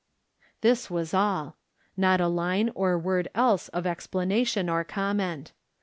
This was all. Not a line or word else of ex planation or comment.